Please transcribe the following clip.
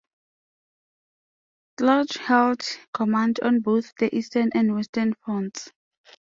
Kluge held commands on both the Eastern and Western Fronts.